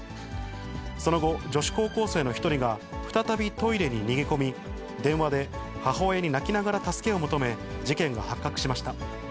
その後、女子高校生の１人が、再びトイレに逃げ込み、電話で母親に泣きながら助けを求め、事件が発覚しました。